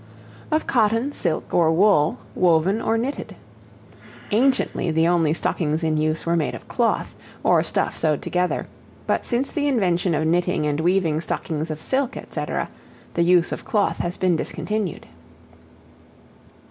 Of cotton, silk, or wool, woven or knitted. Anciently, the only stockings in use were made of cloth, or stuff sewed together; but since the invention of knitting and weaving stockings of silk, &c., the use of cloth has been discontinued.